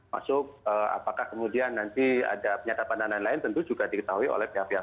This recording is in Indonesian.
masuk apakah kemudian nanti ada penyatapan dan lain lain tentu juga diketahui oleh pihak pihak